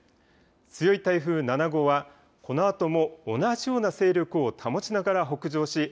強い台風７号はこのあとも同じような勢力を保ちながら北上し